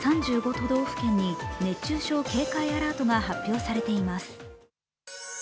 都道府県に熱中症警戒アラートが発表されています。